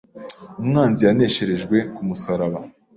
Umwanzi yanesherejwe ku musaraba